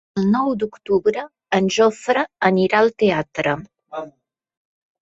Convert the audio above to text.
El nou d'octubre en Jofre anirà al teatre.